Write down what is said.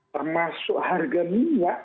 termasuk harga minyak